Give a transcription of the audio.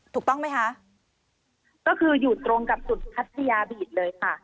ถูกต้องไหมคะก็คืออยู่ตรงกับจุดพัทยาบีดเลยค่ะ